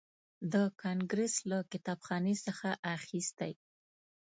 د کانګریس له کتابخانې څخه اخیستی.